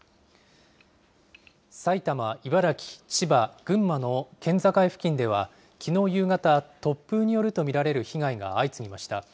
埼玉、茨城、千葉、群馬の県境付近では、きのう夕方、突風によると見られる被害が相次ぎました。